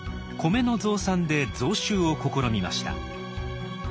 米の増産で増収を試みました。